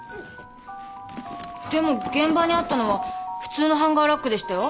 でも現場にあったのは普通のハンガーラックでしたよ。